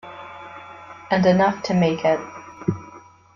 And enough to make it.